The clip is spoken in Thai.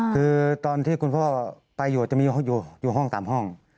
คือตอนที่คุณพ่อไปอยู่จะมีอยู่ห้อง๓ห้อง